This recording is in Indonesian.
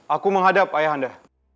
aku menghadap ayah anda